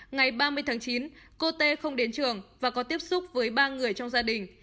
ngày ba mươi tháng chín cô tê không đến trường và có tiếp xúc với ba người trong gia đình